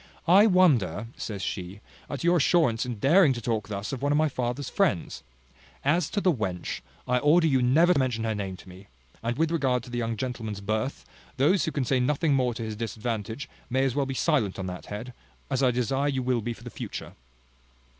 "I wonder," says she, "at your assurance in daring to talk thus of one of my father's friends. As to the wench, I order you never to mention her name to me. And with regard to the young gentleman's birth, those who can say nothing more to his disadvantage, may as well be silent on that head, as I desire you will be for the future."